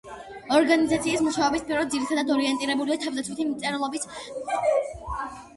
ორგანიზაციის მუშაობის სფერო ძირითადად ორიენტირებულია თავდაცვითი მრეწველობის და გარკვეულწილად სამოქალაქო მიმართულებით.